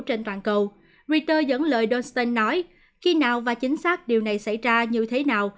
trên toàn cầu re dẫn lời donston nói khi nào và chính xác điều này xảy ra như thế nào